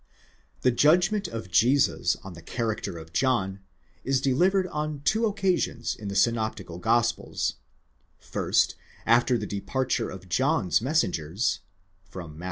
* The judgment of Jesus on the character of John is delivered on two occasions in the synoptical gospels; first after the departure of John's mes sengers (Matt.